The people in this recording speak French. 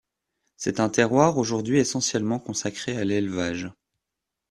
C’est un terroir aujourd’hui essentiellement consacré à l'élevage.